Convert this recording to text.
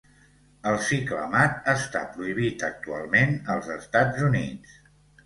El ciclamat està prohibit actualment als Estats Units.